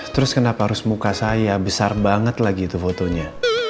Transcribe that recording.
terus kenapa harus muka saya besar banget lagi itu fotonya